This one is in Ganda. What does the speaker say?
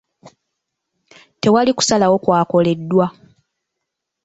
Tewali kusalawo kwakoleddwa.